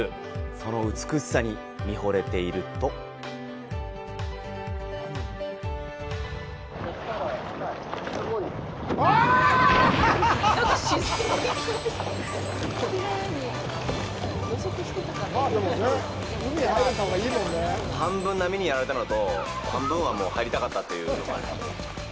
その美しさに見ほれていると半分、波にやられたのと、半分は、もう入りたかったというのもありますね。